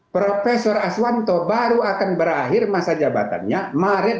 profesor s wanto baru akan berakhir masa jabatannya maret dua ribu dua puluh empat